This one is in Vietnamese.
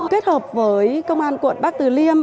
kết hợp với công an quận bắc tử liêm